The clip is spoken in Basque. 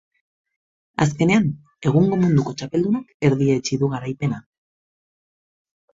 Azkenean, egungo munduko txapeldunak erdietsi du garaipena.